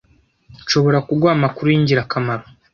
Nshobora kuguha amakuru yingirakamaro.